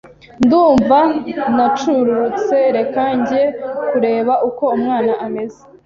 ndumva na cururutse reka nge kureba uko umwana ameze